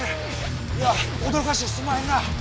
いやおどろかしてすんまへんな。